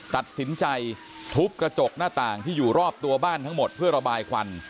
ตัดสินใจทุบกระจกหน้าต่างที่อยู่รอบตัวบ้านทั้งหมดเพื่อระบายควัน